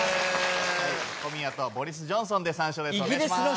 小宮とボリス・ジョンソンで三四郎です。